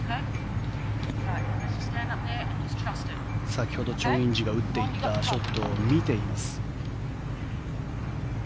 先ほどチョン・インジが打っていったショットを見ています。